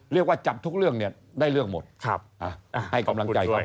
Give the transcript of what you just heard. เรียกว่าจับทุกเรื่องเนี้ยได้เรื่องหมดครับอ่าอ่าให้กำลังใจด้วย